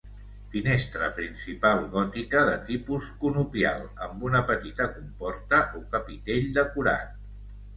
Finestra principal gòtica, de tipus conopial, amb una petita comporta o capitell decorat.